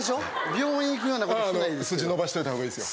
病院行くようなことしてない筋伸ばしといた方がいいですよ